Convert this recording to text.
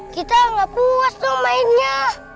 kita gak puas dong mainnya